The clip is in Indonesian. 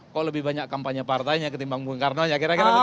kok lebih banyak kampanye partainya ketimbang bung karnonya kira kira begitu